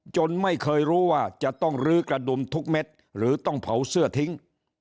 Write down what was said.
ไม่เคยรู้ว่าจะต้องลื้อกระดุมทุกเม็ดหรือต้องเผาเสื้อทิ้ง